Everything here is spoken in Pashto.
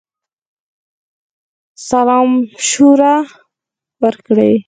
سلامشوره وکړی.